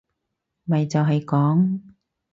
咪就係講